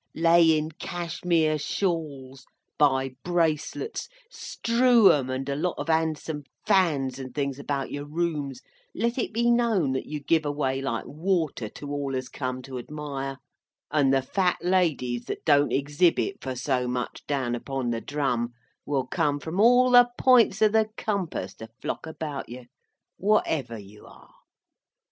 Lay in Cashmeer shawls, buy bracelets, strew 'em and a lot of 'andsome fans and things about your rooms, let it be known that you give away like water to all as come to admire, and the Fat Ladies that don't exhibit for so much down upon the drum, will come from all the pints of the compass to flock about you, whatever you are.